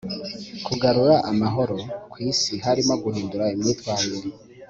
kugarura amahoro ku isi harimo guhindura imyitwarire